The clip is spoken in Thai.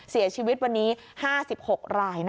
เสียชีวิตวันนี้๕๖ราย